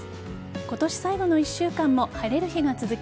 今年最後の１週間も晴れる日が続き